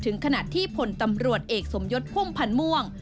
ถึงขณะที่ผลตำรวจเอกสมยศพ่มผันม่วง